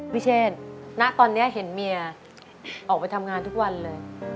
พี่เชนณตอนนี้เห็นเมียออกไปทำงานทุกวันเลย